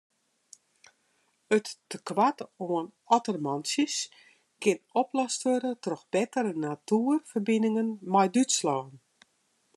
It tekoart oan ottermantsjes kin oplost wurde troch bettere natuerferbiningen mei Dútslân.